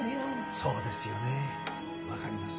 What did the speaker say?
そうですよねわかります。